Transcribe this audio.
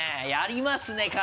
やりますね